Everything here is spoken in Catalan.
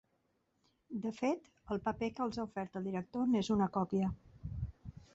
De fet, el paper que els ha ofert el director n'és una còpia.